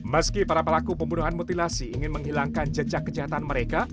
meski para pelaku pembunuhan mutilasi ingin menghilangkan jejak kejahatan mereka